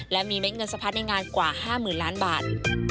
และมีเม็ดเงินสะพัดในงานกว่า๕๐๐๐ล้านบาท